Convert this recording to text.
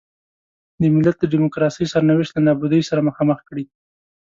د ملت د ډیموکراسۍ سرنوشت له نابودۍ سره مخامخ کړي.